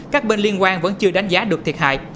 các bên liên quan vẫn chưa đánh giá được thiệt hại